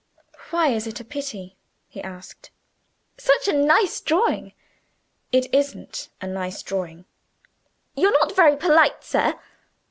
"Why is it a pity?" he asked. "Such a nice drawing." "It isn't a nice drawing." "You're not very polite, sir."